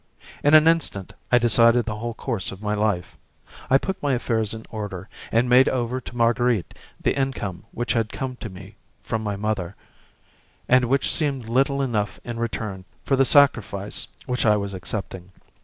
In an instant I decided the whole course of my life. I put my affairs in order, and made over to Marguerite the income which had come to me from my mother, and which seemed little enough in return for the sacrifice which I was accepting.